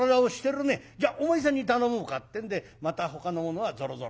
じゃあお前さんに頼もうか」ってんでまたほかの者はぞろぞろ。